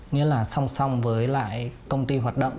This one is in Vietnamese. nghĩa là song song với lại công ty hoạt động